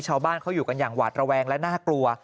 ชาวบ้านเขาอยู่กันอย่างหวาดระแวงและน่ากลัว